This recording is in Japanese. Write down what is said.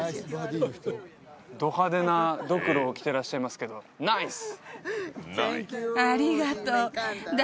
ど派手なドクロを着てらっしゃいますけどナイス！